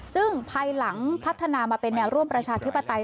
ซึ่งภายหลังพัฒนามาเป็นแนวร่วมประชาธิปไตย